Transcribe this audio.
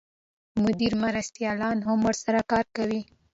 د مدیر مرستیالان هم ورسره کار کوي.